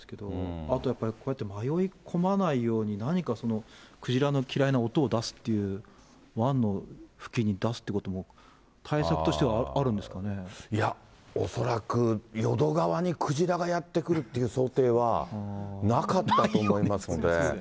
あとやっぱりこういうふうに迷い込まないように、何かクジラの嫌いな音を出すっていう、湾の付近に出すということも、対策としていや、恐らく淀川にクジラがやって来るっていう想定は、なかったと思いますので。